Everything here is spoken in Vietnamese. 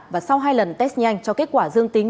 và sau hai lần test nhanh cho kết quả dương tính